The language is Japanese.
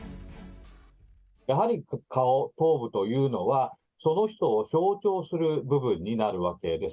やはり顔、頭部というのは、その人を象徴する部分になるわけです。